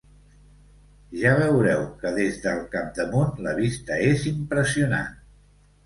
Ja veureu que des del capdamunt la vista és impressionant.